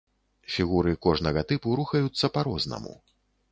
Фігуры кожнага тыпу рухаюцца па-рознаму.